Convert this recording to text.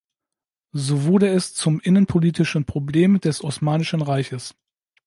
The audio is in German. So wurde es zum innenpolitischen Problem des Osmanischen Reiches.